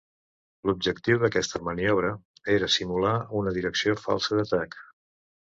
L'objectiu d'aquesta maniobra era simular una direcció falsa d'atac.